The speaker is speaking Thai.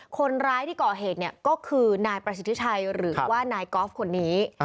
คนร้ายที่ก่อเหตุก็คือนายประสิทธิชัยหรือว่านายกอล์ฟคนนี้